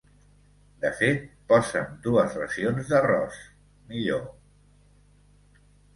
De fet, posa'm dues racions d'arròs, millor.